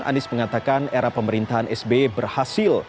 anies mengatakan era pemerintahan sbe berhasil